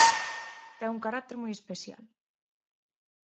Ten un carácter moi especial.